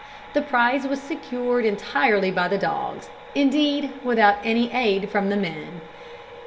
The prize was secured entirely by the dogs, indeed, without any aid from the men.